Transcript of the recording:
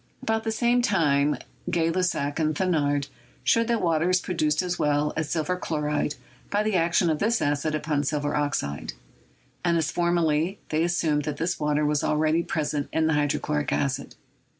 About the same time Gay Lussac and Thenard showed that water is produced as well as silver chloride by the action of this acid upon silver oxide; and, as formerly, they assumed that this water was already present in the hydrochloric acid.